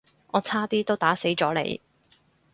我差啲都打死咗你